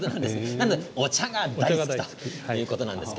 なのでお茶が大好きということです。